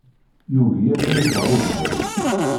Yugi ad kem-iffeɣ ubeḥri.